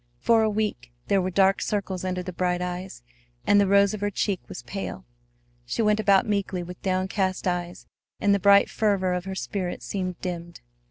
For a week there were dark circles under the bright eyes, and the rose of her cheek was pale. She went about meekly with downcast eyes, and the bright fervor of her spirit seemed dimmed.